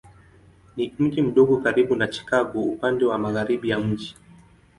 Ni mji mdogo karibu na Chicago upande wa magharibi ya mji.